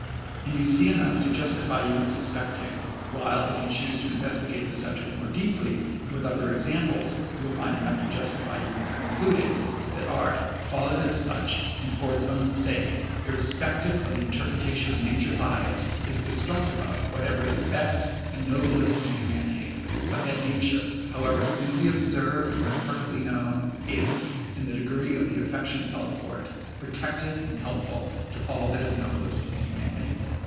And you see enough to justify you in suspecting while, if you choose to investigate the subject more deeply and with other examples, you will find enough to justify you in concluding that art, followed as such, and for its own sake, irrespective of the interpretation of nature by it, is destructive of whatever is best and noblest in humanity; but that nature, however simply observed, or imperfectly known, is, in the degree of the affection felt for it, protective and helpful to all that is noblest in humanity.